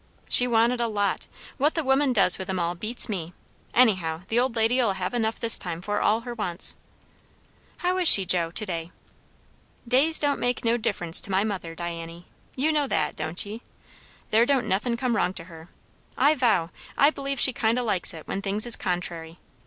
"She wanted a lot. What the women does with 'em all, beats me. Anyhow, the old lady'll have enough this time for all her wants." "How is she, Joe, to day?" "Days don't make no difference to my mother, Diany. You know that, don't ye? There don't nothin' come wrong to her. I vow, I b'lieve she kind o' likes it when things is contrairy.